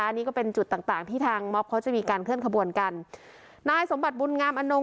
นี่ก็เป็นจุดต่างต่างที่ทางม็อบเขาจะมีการเคลื่อนขบวนกันนายสมบัติบุญงามอนง